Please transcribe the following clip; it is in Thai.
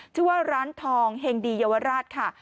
ชื่อว่าร้านทองเฮงดีเยาวราชค่ะ